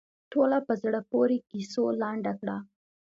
ټوله په زړه پورې کیسو لنډه کړه.